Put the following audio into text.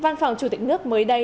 văn phòng chủ tịch nước mới đây